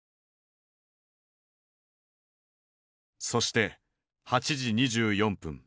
そして８時２４分。